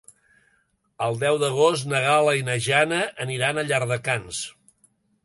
El deu d'agost na Gal·la i na Jana aniran a Llardecans.